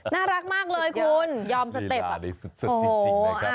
น่ารักมากเลยคุณยอมสเต็ป